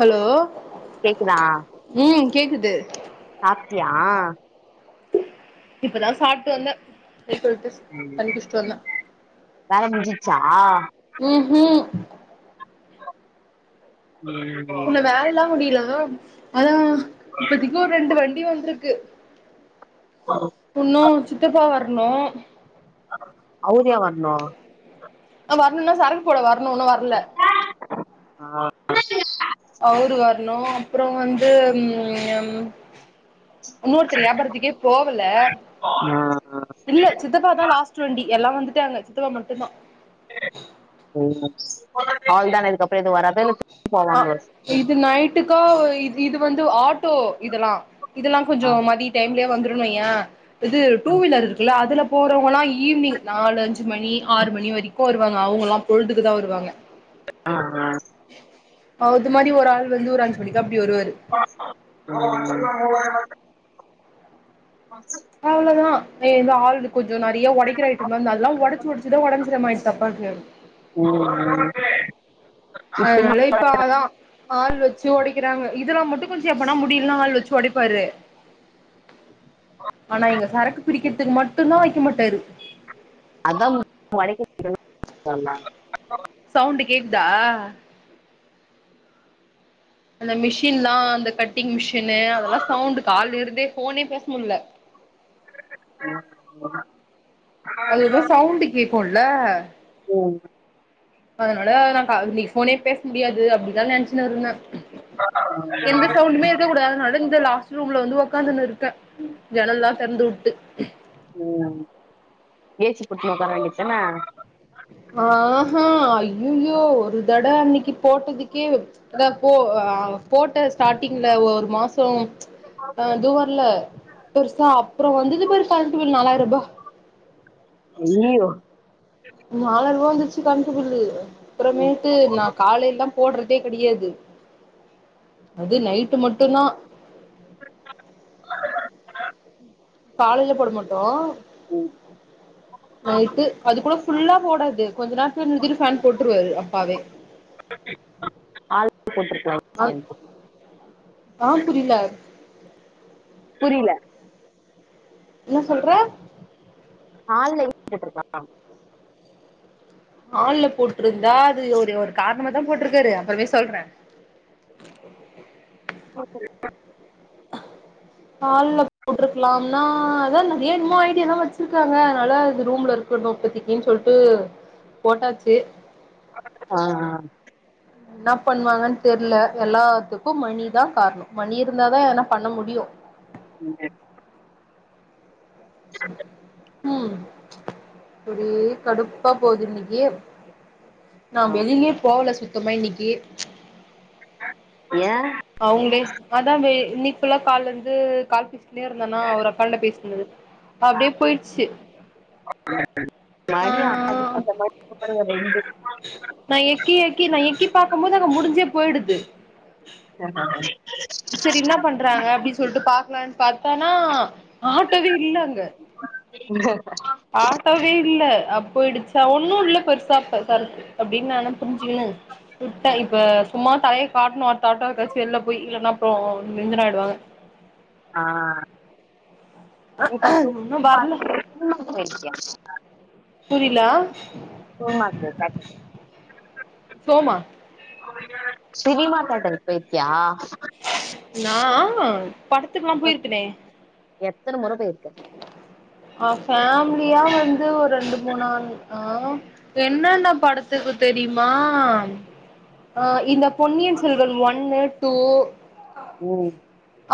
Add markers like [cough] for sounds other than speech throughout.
hello கேக்குதா ம் கேக்குது சாப்டியா இப்பதா சாப்ட்டு வந்த கை கல்ட்டு ம் வேல முஞ்சிச்சா ம்ஹும் ம் உன்னு வேலையெல்லா முடில மேம் அதான் இப்பத்திக்கு ஒரு ரெண்டு வண்டி வந்துருக்கு உன்னு சித்தப்பா வர்ணு அவரு ஏன் வர்ணு வர்ணுன்னா சரக்கு போட வர்ணு உன்னு வர்ல ஆ [inaudible] அவுரு வர்ணு அப்றோ வந்து ம் இன்னொருத்தரு வியாபாரத்துக்கே போகல இல்ல சி த்தப்பாதா லாஸ்ட்டு வண்டி எல்லா வந்துட்டாங்க சித்தப்பா மட்டுந்தா ஓ அவ்ள்தானா இதுக்கப்றோ எது வராத இல்ல [inaudible] ஆ போவாங்க ஸ் இது நைட்டுக்கா இ இது வந்து ஆட்டோ இதல்லா இதல்லா கொஞ்சோ மதிய டைம்லயே வந்துருன் வையே இது டூ வீலர் இருக்கல்ல அதுல போறவங்கல்லா ஈவ்னிங் நாலு அஞ்சு மணி ஆறு மணி வரைக்கு வருவாங்க அவுங்கல்லா பொழுதுக்குதா வருவாங்க அ ஆ அவுது மாரி ஒரு ஆள் வந்து ஒரு அஞ்சு மணிக்கா அப்டி வருவாரு ம் [inaudible] அவ்ளதா இந்த ஆல்டு கொஞ்சோ நெறயா ஒடக்கிற ஐயிட்டம் இந்த அதா ஒடச்சு ஒடச்சுதா ஒடஞ்சுற மாயிடுத்து அப்பாக்கு ம் ம் அதனால இப்ப ஆதா ஆள் வெச்சு ஒடைக்கிறாங்க இதுனா மட்டு கொஞ்சோ எப்பனா முடில்னா ஆள் வெச்சு ஒடைப்பாரு ஆனா எங்க சரக்கு பிரிக்கறதுக்கு மட்டுந்தா வெக்க மாட்டாரு அதா [unintelligible] சவுண்டு் கேக்குதா அந்த மிஷின்லா அந்த கட்டிங் மிஷினு அதெல்லா சவுண்ட்டு கால்ல இருந்தே போனே பேச முல்ல [unintelligible] அது ஒருத சவுண்டு கேக்குல்ல ம் அதனால நா கா இன்னைக்கு ஃபோனே பேச முடியாது அப்டிதா நெனச்சுனுருந்த எந்த சவுண்டுமே க்கக் கூடாதுன் அழுந்த லாஸ்ட் ரூம்ல வந்து உக்காந்துன்னுருக்க ஜன்னலெல்லா தெறந்து விட்டு ம் ஏ சி கூட்டுனு உக்கார வேண்டியதான ஆஹா அய்யய்யோ ஒரு தட அன்னைக்கி போட்டதுக்கே அதா போ அ போட்டஸ் ஸ்டார்டிங்ல ஒரு மாசோ அது வர்ல பெருசா அப்றோ வந்தது பாரு கரண்ட்டு ஃபில் நாலாயிருபா ஐய்யயோ நாலாயிர்வா வந்துருச்சு கரண்டு பில்லு அப்றமேட்டு நா காலைல்லா போடறதே கெடையாது அது நைட்டு மட்டுந்தா கால்லேல போட மாட்டோ ம் நைட்டு அது கூட ஃபுல்லா போடாது கொஞ்சோ நேரத்துல ஃபேன் போட்டுருவாரு அப்பாவே ஆ [inaudible] ஆ புரில புரில என்ன சொல்ற [inaudible] ஹால்ல போட்ருந்தா அது ஒரு ஒரு காரணமாதா போட்ருக்காரு அப்றமே சொல்ற [inaudible] [inaudible] ஹால்ல போட்டுருக்கலாம்னா அதா நெறைய என்மோ ஐடியாலா வெச்சிருக்காங்க அதனால அது ரூம்லருக் [unintelligible] இப்பத்திக்கு அப்டினு சொல்ட்டு போட்டாச்சு ஆ ஆ என்னா பண்ணுவாங்கன்னு தெர்ல எல்லாத்துக்கு மணிதா கார்ணோ மணி இருந்தாதா எதுனா பண்ண முடியு உங்கே ம் அப்டியே கடுப்பா போது இன்னிக்கி நா ஆ வெளிலியே போவல சுத்தமா இன்னிக்கி ஏ அவங்களே அதா இன்னைக்குள்ளா கால் இருந்து கால் இருந்தனா ஒரு அக்காட்ட பேசிட்டிருந்தனா அப்டியே போயிச்சு [inaudible] நா எக்கி எக்கி நா எக்கி பாக்குபோது அங்க முடிஞ்சே போயிடுது செரி என்ன பண்றாங்க அப்டின்னு சொல்லிட்டு பாக்கலான்னு பாத்தானா ஆட்டோவே இல்ல அங்க [inaudible] ஆட்டோவே இல்ல அப்போ இடிச்சா ஒன்னு இல்ல பெருசா [unintelligible] அப்டின்னு நானே புரிஞ்சிக்குனு விட்ட இப்ப சும்மா தலய காட்டனு அடுத்த ஆட்டோக்காச்சு வெளிலபோயி இல்லன்னா அப்றோ டென்ஷன் ஆயிடுவாங்க ஆ இன்னு வரல [inaudible] புரில ஆ [unintelligible] சோமா சினிமா தேட்டர்க்கு போயிருக்கியா நா ஆ படத்துக்கெல்லா போயிருக்கனே எத்தன முற போயிருக்க ஆ ஃபேமிலியா வந்து ஒரு ரெண்டு மூணு [unintelligible] என்னென்ன படத்துக்கு தெரியுமா ஆ இந்த பொன்னியன் செல்வன் ஒன்னு டூ ம்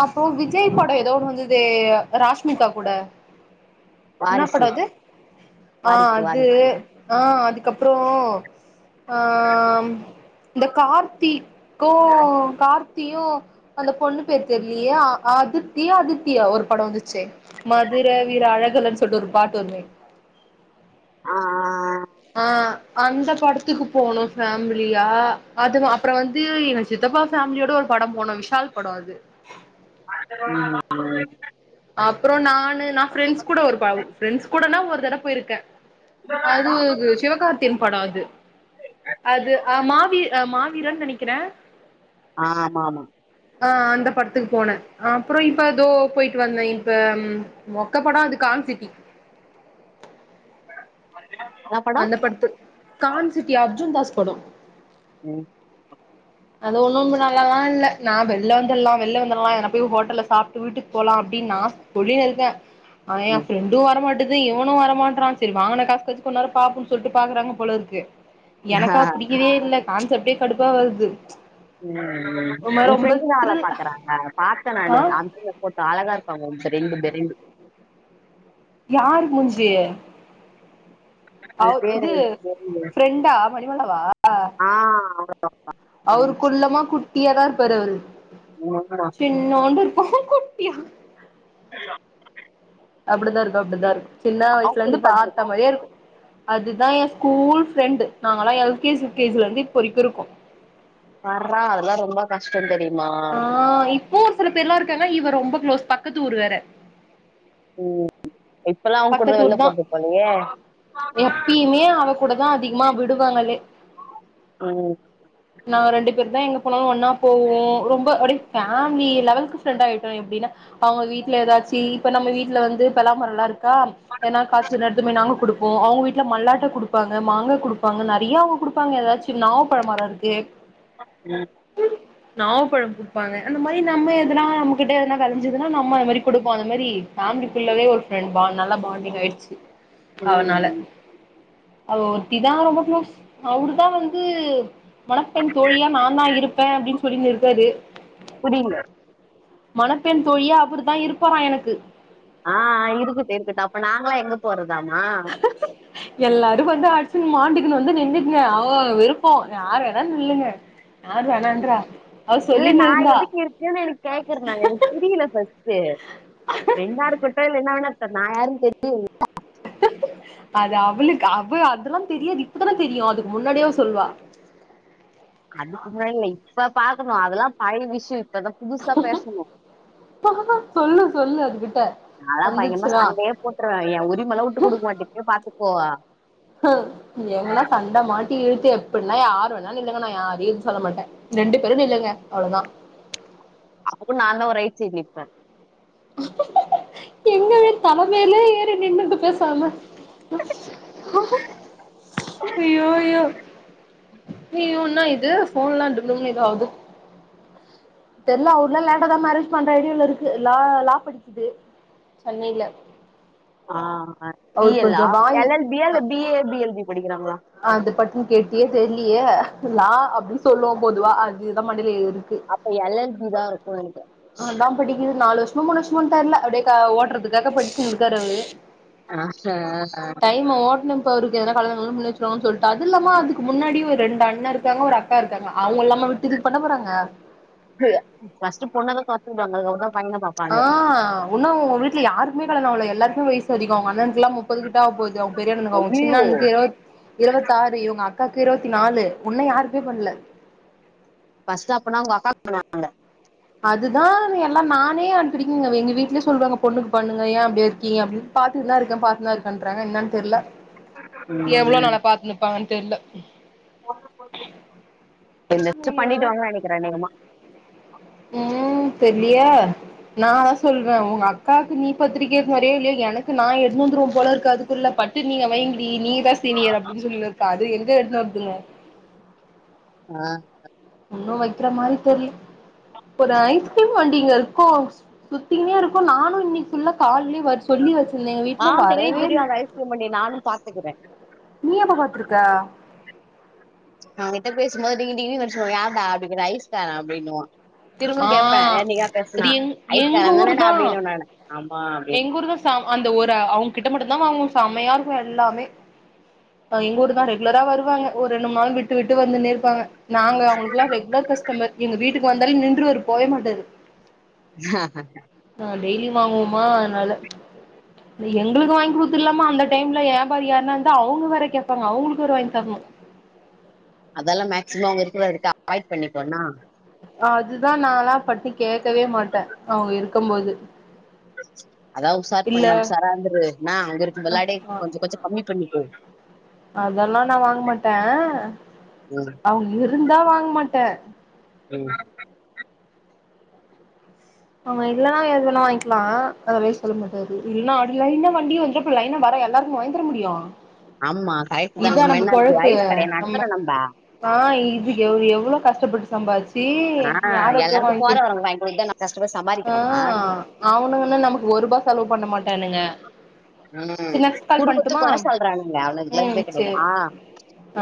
அப்றோ விஜய் படோ எதோ ஒன்னு வந்துதே ராஷ் ராஷ்மிகா கூட என்ன வாரிசு படோ அது ஆ வாரிசு அது வாரிசு அ அதுக்கப்றோ அ இந்த கார்த்திக்கு கார்த் தியு அந்த பொண்ணு பேர் தெரிலயே அதித்தியோ அதித்தியா ஒரு பட வந்துச்சே மதுர வீர அழகுல சொல்ட்டு ஒரு பாட்டு வருமே ஆ ஆ ஆ ஆ அந்த படத்துக்கு போனோ ஃபேமிலியா அது அப்றோ வந்து சித்தப்பா ஃபேமிலியோட ஒரு பட போனோ விஷால் படோ அது ம் ம் அப்புறோ நானு நா ஃப்ரெண்ட்ஸ் கூட ஒரு ப ஃப்ரெண்ட்ஸ் கூடனா ஒரு தடவ போயிருக்கே அது சிவகார்த்தியின் படம் அது அது அ மாவி அ மாவீரன்னு நெனைக்கிறே அ ஆமா ஆமா அ அந்த படத்துக்கு போன அப்றோ இப்ப அதோ போயிட் வந்தே இப்ப மொக்க படோ அது கான்சிட்டி என்ன படம் அந்த படத்துக் கான்சிட்டி அர்ஜுன் தாஸ் படொ ம் அது ஒன்னு நல்லால்லா இல்ல நா வெள்ல வந்துல்லா வெள்ல வந்துல்லா ஏதுனா போய் ஹோட்டல்ல சாப்ட்டு வீட்டுக்கு போலா அப்படினு நா பொடியல் தா அனா எ ம் ஃபிரண் இது வர மாட்டுது இவனு வரமாற்றா செரி வாங்குன காசுகாச்சு கொஞ் நேரோ பாக்னு சொல்ட்டு பாக்குறாங்க போலருக்கு எனக்கா புடிக்கவே இல்ல கான்சப்டே கடுப்பா வருது ஒரு உ மாரி ரொம்ப ஃபிரண்ட் தா வேல த்ரில் பாக்குறாங்க பாத்த ஆ நானு அந் போட்டு அழகா இருப்பாங்க ஒ பெரண்டு பெரண்டு யார் மூஞ்ஜீ அவ உன் பேரு இது எனக்கு தெரியல ஃபிரெண்டா மணிமாலாவா ஆ அவ்வளவு அவரு வந்துச்சு குள்ளமா குட்டியாதா இருப்பாரு அவரு ஆமா சின் சிண்ணோண்டு இருப்பா குட்டியா [unintelligible] அப்டித்தா இருக்கு அப்டிதா இருக்கு சின்ன அவங்க வயசுல இருந்து குடும்பம் பாத்தமாரியே இருக்கு அதுதா எ ஸ்கூல் ஃப்ரெண்டு நாங்கல்லா எல்கேஜி யுகேஜிலருந்து இப்பரைக்கு இருக்கோ பார்றா அதெல்லா ரொம்ப கஷ்ட தெரியுமா ப்பவு ஒரு சில பேர்லா இருக்காங்க இவ ரொம்ப க்ளோஸ் பக்கத்து ஊரு வேற ம் இப்பல்லா அவுங்க கூடதா வெள்ல போறது போலயே எப்பியிமே அவ கூடதா அதிகமா விடுவாங்களே ம் நாங்க ரெண்டு பேர்தா எங்க போனாலு ஒன்னா போவோ ரொம்ப அப்டி பேமிலி லெவலுகு ஃப்ரண்ட் ஆயிட்டோ எப்டினா அவுங்க வீட்ல எதாச்சி இப்ப நம்ம வீட்ல வந்து பெலாமரல்லா இருக்கா எதுனா காய்சனா எடுத்துபோய் நாங்க குடுப்போ அவுங்க வீட்ல மல்லாட்ட குடுப்பாங்க மாங்கா குடுப்பாங்க நெறய அவுங்க குடுப்பாங்க எதாச்சு நாவப்பழ மர இருக்கு ம் நாவ் ப்பழம் குடுப்பாங்க அந்த மாரி நம்ம எதனா நம்மகிட்ட எதனா வெலஞ்சுதுன்னா நம்ம அது மாரி குடுப்போ அது மேரி ஃபேமிலிக்குள்ளவே ஒரு ஃப்ரெண்ட் பா நல்லா பாண்டிங் ஆயிடுச்சு அவனால ம் அவ ஒருத்திதா ரொம்ப க்ளோஸ் அவருதா வந்து மணப்பெண் தோழியா நாந்தா இருப்பே அப்டின் சொல்லி இருக்காரு புரில்ல மணப்பெண் தோழியா அவர்தா இருப்பாறா எனக்கு ஆ ஆ இருக்கட்டு இருக்கட்டு அப்ப நாங்ளா எங்க போறதாமா எல்லாரு வந்து அடிச்சுனு மாண்டிக்குனு வந்து நின்னுக்ங்க அவ அவ விருப்போ யாரு வேணா நில்லுங்க யாரு வேணான்றா அவ இல்ல சொல்லினு நா இருந்தா [unintelligible] எனக்கு கேக்றே நானு எனக்கு புரியல ஃபஸ்ட்டு அவுங்க ஃபிரண்டா இருக்கட்டு இல்ல என்ன வேணா இருக்கட்டு நா யாருனு தெரிய [unintelligible] அது அவுளுக்கு அவ அதெல்லா தெரியாது இப்பதானே தெரியு அதுக்கு முன்னாடியே அவ சொல்வா அதுக்கு முன்ன இல்ல இப்ப பாக்கணு அதெல்லா பழய விஷ்யோ இப்பதா புதுசா பேசணு சொல்லு சொல்லு அதுகிட்ட நாலா பயங்கமா வந்துச்சுன்னா சண்டையே போட்ரூவே எ உரிமலா வுட்டு குடுக்க மாட்டே [unintelligible] பாத்துக்கோ எங்கன்னா சண்ட மாட்டி இழுத்து எப்டின்னா யார் வேணாலு நில்லுங்க நா யாரையு எது சொல்ல மாட்டே ரெண்டு பேரு நில்லுங்க அவ்ளோதா அது நாந்த ஓ ரைட் சைடு நிப்பே எங்கவே தலமேலே ஏறி நின்னுடு பேசாம அய்யோ அய்யோ நீ ஒன்னா இது ஃபோன்ல்லா டும் டும்னு ஏதோ ஆகு தெர்ல அவுர்ல்லா லேண்ட தா மேரேஜ் பண்ற ஐடியால இருக்கு லா லா படிக்குது சென்னையில ஆ பி எல்லா கொஞ்சோ வாய் எல் எல் பி இல்ல B A B L B படிக்கிறாங்ளா அது பட்ன்னு கேட்டியே தெர்லியே லா அப்டினு சொல்லு பொதுவா அதுதா மண்டைல ஏறுது அப்ப எல் எல் பி தா இருக்கு நெனைக்றே அதா படிக்குது நாலு வர்ஷமோ மூணு வர்ஷமோனு தெர்ல அப்டியே ஓட்றதுக்காக படிச்சுனு இருக்காரு அவரு ஆ ஹ ஹ டைம்ம ஓட்னு இப்ப அவுருக்கு எதன கல்யாணோ கில்யானோ முண்ணி வச்சு னு சொல்ட்டு அது இல்லாம அதுக்கு முன்னாடி ஒரு ரெண்டு அண்ணா இருக்காங்க ஒரு அக்கா இருக்காங்க அவுங்க இல்லாம விட்டுட இதுக்கு பண்ணபோறாங்க [unintelligible] ஃபஸ்ட் பொண்ணலா பாத்துடுவாங்க அதுகப்றோ தா பையன பாப் ஆ உன்னு வுங்க வீட்ல யாருகுமே கல்யாணோ ஆவல எல்லாருக்குமே வயசு அதிகோ அவங்க அண்ணன்க்லா முப்பது கிட்ட ஆவ போது அவங் பெரியண்ணனுக்கு அவுங்க ஐயையோ சின்னண்ணனுக்கு இருவத் இருவத்தாரு இவுங்க அக்காவுக்கு இருவத்திநாலு உன்னு யாருக்குமே பண்ல ஃபஸ்ட்டு அப்பனா அவுங்க அக்காக்கு பண்ணுவாங்க அதுதா எல்லா நானே அடிக்கடிகிங் எங் எங்க வீட்லே சொல்றாங்க பொண்ணுக்கு பண்ணுங்க ஏ அப்டி இருக்கீங்க அப்டின்னு பாத்துங்தா இருக்கே பாத்துனுதா இருக்கன்றாங்க என்னன்னு தெர்ல ம் எவ்ளோ நாளா பாத்துனுப்பாங்கன்னு தெர்ல என்னச்சு ஐயோ பண்ணிட்டுவாங்க நெனைக்கிறே அநேகமா ம் தெர்லியே நா அத சொல்வே உங்க அக்காவுக்கு நீ பத்திரிக்க எத்துனு வரியோ இல்லையோ எனக்கு நா எட்த்துனு வந்துருவ போல இருக்கு அதுக்குள்ள பட் து நீங்க வைங்கிடி நீ தா சீனியர் அப்டின்னு சொல்லினிர்ப்பா அது எந்த எடுத்து வருதுங்க ஆ ஒன்னு வைக்கிற மாரி தெர்ல ஒரு ஐஸ்கிரீம் வண்டி இங்க இருக்கோ சுத்திங்னே இருக்கோ நானு இன்னைக்கி ஃபுல்லா கால்லே வர் சொல்லி வச்சிருந்தே எங்க ஆ வீட்ல தெரியும் வரவே இல் தெரியும் அந்த ஐஸ்கிரீம் வண்டி நானும் பாத்துக்கிறேன் நீ எப்ப பாத்துருக்க ஊங்கிட்ட பேசும்போது டிங்கி டிங்கினு அடுசுன்னு வரு யார்டா அப்டி கேட்ட ஐஸ்கார அப்டின்னுவா திரும்பவு ஆ கேப்பே என்னைக்கா அது பேசுனா எங் எங்க ஊர் ஐஸ்காரந்தனடா தா அப்டின்னுவே நானு ஆமா அப்டின்னு எங்க ஊர் தா அந்த ஒரு அவுங்க கிட்ட மட்டுதா வாங்கு செம்மையா இருக்கு எல்லாமே எங்க ஊர் தா ரெகுலரா வருவாங்க ஒரு ரெண்டு மூணு நாள் விட்டு விட்டு வந்துன்னே இருப்பாங்க நாங்க அவுங்ளுக்லா ரெக்லர் கஸ்டமர் எங்க வீட்டுக்கு வந்தாலு நின்று வர் போவே மாட்டாது ஹ ஆ டெய்லி வாங்கோமா அதனால தி எங்களுக்கு வாய்ன் குடுத்துரலாமா அந்த டைம்ல ஏபாரி யாருன்னாந்தா அவுங்க வேற கேப்பாங்க அவுங்ளுக்கு வேற வாய்ன் தர்ணு அதெல்லா மேக்சிமம் அவ்ங்க இருக்ற வருக்கா வாய்ட் பண்ணி போனா அதுதா நாலா பட்டி கேக்கவே மாட்ட அவ்ங்க இருக்கும்போது அதாவ் உசார் இல்ல பண்ணி உசாரா இந்துரு நா அங்க இருக்க விளாடி கொஞ்சு கொச்சக் கம்மி பண்ணிட்டோ அதெல்லா நா வாங் மாட்டே ம் அவுங் இருந்தா வாங் மாட்டே ம் அவுங்க இல்லன்னா எது வேனா வாய்ன்க்லா அதலே சொல்ல முட்டாது இல்லா ஆடிக்கிறாய் இன்ன வண்டியு இந்தப் லைனா வர எல்லார்க்கு வாய்ந்தர முடியு அம்மா கய்ச் தன இதா நம்ம மென்னாது பொழப்பு ஐஸ் கடையா நம்ம நத்துறு நம்பா ஆ இதுக் எவ் எவ்ளோ கஷ்டப்பட்டு சம்பாதிச்சி யாரோக்க வாய்ன்க் குடு வாய் குடுத்தே நா கஷ்டமஸ் சம்பார் அ ஆ அவ்ணுங்கன்னு நமக் ஒரூபா செலவு பண்ண மாட்டானுங்க உம் சரி நெக்ஸ்ட் கால் குடுகுத்து பண்ட்டுமா கொரச அல்றானுங்க ம் அவளங்க்லன் சேரி [unintelligible] ஆ ஆ